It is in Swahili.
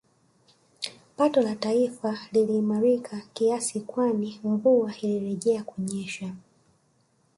Pato la taifa liliimarika kiasi kwani mvua ilirejea kunyesha